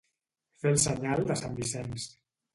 Fer el senyal de sant Vicenç.